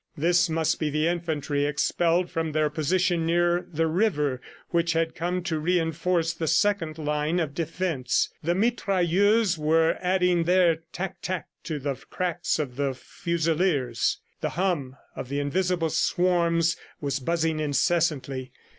This must be the infantry expelled from their position near the river which had come to reinforce the second line of defense. The mitrailleuses were adding their tac tac to the cracks of the fusileers. The hum of the invisible swarms was buzzing incessantly.